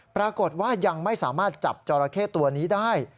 ปรากฏว่ายังไม่สามารถจับจอราเข้ตัวนี้ได้